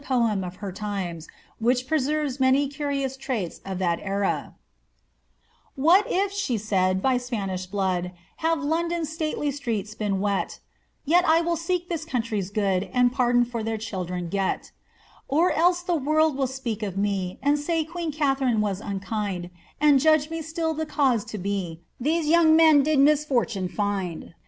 8T flKmonted to her honour in a ballad ■toy cnrioiw traits of that eraJ •* What if (she Mid) bySpMiish bkxxl, Have Loadon't statelj sureets been wet; Tet I will seek this oooDtrj^s good, And patdon for their children get. *0r else the world will speak of me, Ami saj queen Katharine was unkind ; And judge me still the cause to be, These 3roung men did misfortune find.'